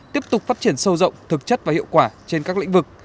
tiếp tục phát triển sâu rộng thực chất và hiệu quả trên các lĩnh vực